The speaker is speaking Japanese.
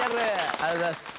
ありがとうございます。